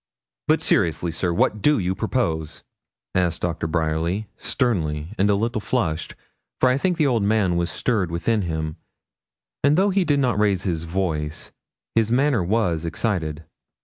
'But seriously, sir, what do you propose?' asked Doctor Bryerly, sternly and a little flushed, for I think the old man was stirred within him; and though he did not raise his voice, his manner was excited.